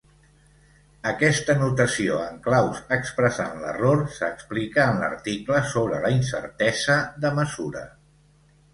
Aquesta notació en claus expressant l'error s'explica en l'article sobre la incertesa de mesura.